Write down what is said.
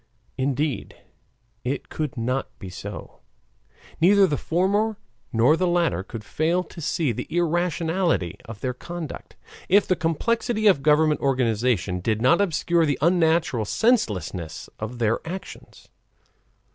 Indeed, it could not be so, neither the former nor the latter could fail to see the irrationality of their conduct, if the complexity of government organization did not obscure the unnatural senselessness of their actions.